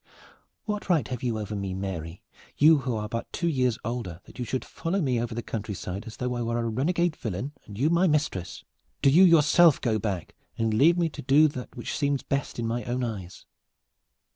"What right have you over me, Mary, you who are but two years older, that you should follow me over the country side as though I were a runagate villain and you my mistress? Do you yourself go back, and leave me to do that which seems best in my own eyes."